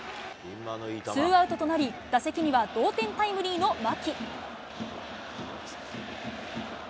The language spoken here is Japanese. ツーアウトとなり、打席には同点タイムリーの牧。